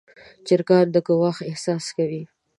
چرګان د ګواښ احساس کوي.